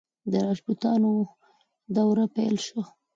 د راجپوتانو دوره پیل شوه.